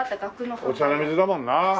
御茶ノ水だもんな。